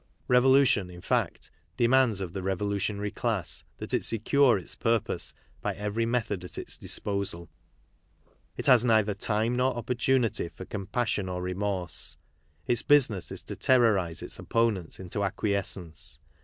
Revolution, in fact, demands of the revolution ary class that it secure its purpose by every method at its disposal. It has neither time nor opportunity for compassion or remorse. Its business is to terrorize its opponents into acquiescence.